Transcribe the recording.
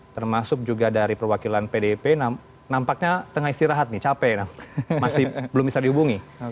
termasuk juga dari perwakilan pdip nampaknya tengah istirahat nih capek masih belum bisa dihubungi